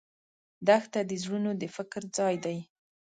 دښته د زړونو د فکر ځای دی.